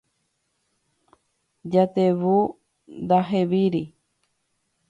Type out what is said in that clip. Jatevu ndahevíri.